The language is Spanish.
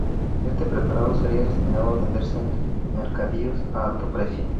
Este preparado sería destinado a venderse en mercadillos a alto precio.